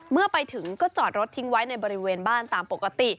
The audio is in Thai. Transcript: เมื่อไปถึงก็จอดรถทิ้งไว้ในบริเวณบ้านตามปกติ